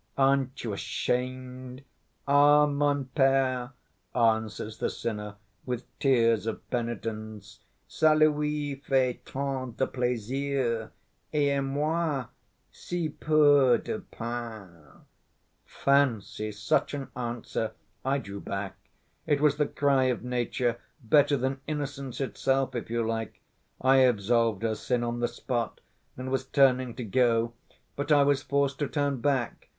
Aren't you ashamed!' 'Ah, mon père,' answers the sinner with tears of penitence, 'ça lui fait tant de plaisir, et à moi si peu de peine!' Fancy, such an answer! I drew back. It was the cry of nature, better than innocence itself, if you like. I absolved her sin on the spot and was turning to go, but I was forced to turn back.